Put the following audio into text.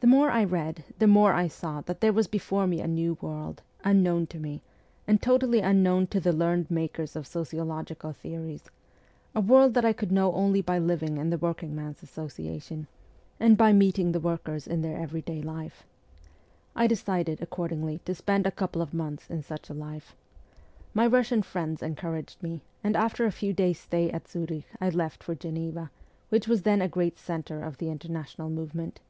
The more I read the more I saw that there was before me a new world, unknown to me, and totally unknown to the learned makers of sociological theories a world that I could know only by living in the 60 MEMOIRS OF A REVOLUTIONIST Workingmen's Association and by meeting the workers in their everyday life. I decided, accordingly, to spend a couple of months in such a life. My Russian friends encouraged me, and after a few days' stay at Zurich I left for Geneva, which was then a great centre of the international movement.